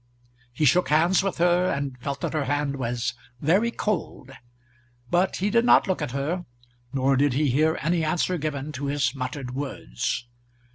He shook hands with her, and felt that her hand was very cold; but he did not look at her, nor did he hear any answer given to his muttered words.